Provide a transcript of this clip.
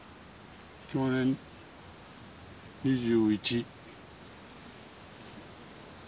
享年２１。